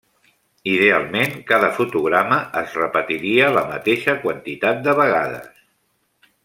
Idealment, cada fotograma es repetiria la mateixa quantitat de vegades.